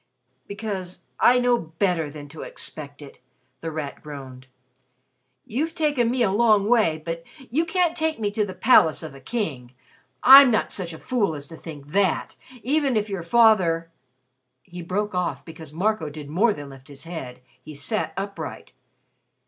"Because I know better than to expect it!" The Rat groaned. "You've taken me a long way, but you can't take me to the palace of a king. I'm not such a fool as to think that, even if your father " He broke off because Marco did more than lift his head. He sat upright.